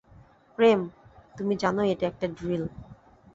প্রেম, তুমি জানোই এটা একটা ড্রিল।